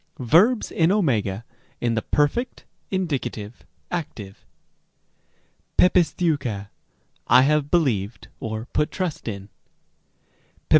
Verbs in @, in the perfect, indicative, active. πεπίστευκα, I have believed, or put trust in. (2 Tim.